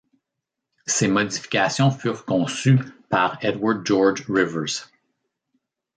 Ces modifications furent conçues par Edward George Rivers.